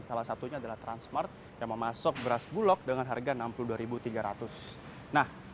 salah satunya adalah transmart yang memasok beras bulog dengan harga rp enam puluh dua tiga ratus